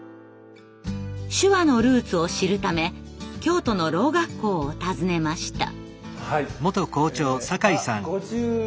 手話のルーツを知るため京都の聾学校を訪ねました。